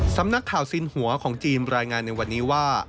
สำนักข่าวสินหัวของจีนรายงานในวันนี้ว่า